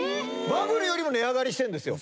バブルよりも値上がりしてんですよ。